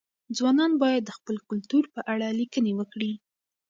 ځوانان باید د خپل کلتور په اړه لیکني وکړي.